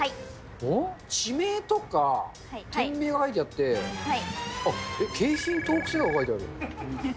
おっ、地名とか、店名が書いてあって、あっ、京浜東北線とか書いてある。